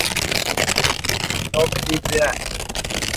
I y Mk.